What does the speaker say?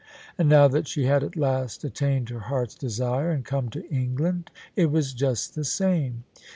And now that she had at last attained her heart's desire and come to England, it was just the same.